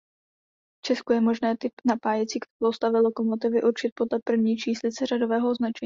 V Česku je možné typ napájecí soustavy lokomotivy určit podle první číslice řadového označení.